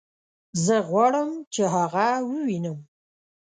زه غواړم چې هغه ووينم